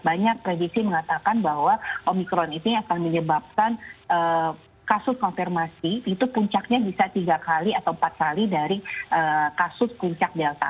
banyak prediksi mengatakan bahwa omikron ini akan menyebabkan kasus konfirmasi itu puncaknya bisa tiga kali atau empat kali dari kasus puncak delta